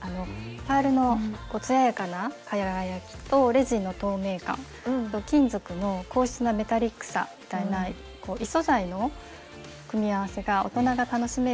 パールのつややかな輝きとレジンの透明感と金属の硬質なメタリックさみたいな異素材の組み合わせが大人が楽しめるようなアクセサリーです。